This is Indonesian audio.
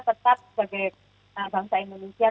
tetap sebagai bangsa indonesia